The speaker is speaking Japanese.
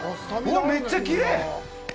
うわっ、めっちゃきれい！